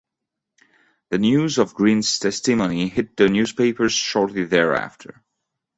The news of Green's testimony hit the newspapers shortly thereafter.